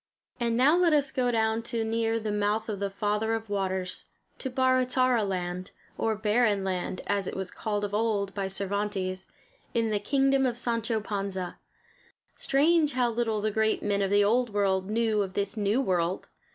And now let us go down to near the mouth of the Father of Waters, to "Barra Tarra Land" or Barren Land, as it was called of old by Cervantes, in the kingdom of Sancho Panza. Strange how little the great men of the old world knew of this new world!